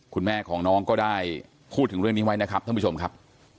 คุณแม่ของน้องก็ได้พูดถึงเรื่องนี้ไว้นะครับท่านผู้ชมครับ